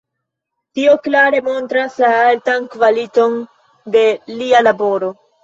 Tio klare montras la altan kvaliton de lia laboro.